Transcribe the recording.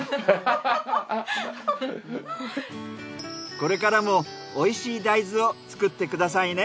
これからもおいしい大豆を作ってくださいね。